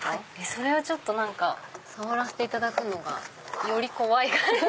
それは触らせていただくのがより怖い感じ。